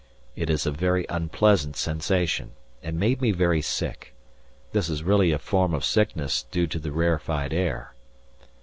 It is a very unpleasant sensation, and made me very sick. This is really a form of sickness due to the rarefied air.